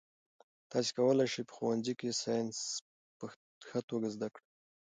تاسي کولای شئ په ښوونځي کې ساینس په ښه توګه زده کړئ.